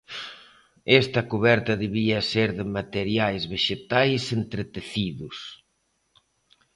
Esta cuberta debía ser de materiais vexetais entretecidos.